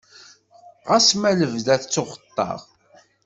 Xas ma lebda ttuxeṭṭaɣ.